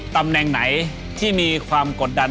ตำแหน่งไหนที่มีความกดดัน